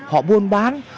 họ buôn bán